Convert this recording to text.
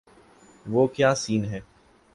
وہ کیا سین ہے۔